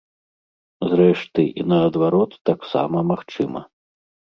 Зрэшты, і наадварот таксама магчыма.